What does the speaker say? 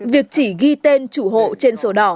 việc chỉ ghi tên chủ hộ trên sổ đỏ